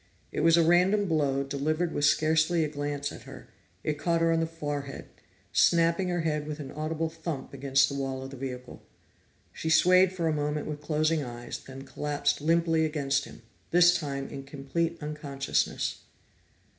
It was a random blow, delivered with scarcely a glance at her; it caught her on the forehead, snapping her head with an audible thump against the wall of the vehicle. She swayed for a moment with closing eyes, then collapsed limply against him, this time in complete unconsciousness.